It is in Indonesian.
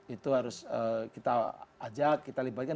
itu harus kita ajak kita libatkan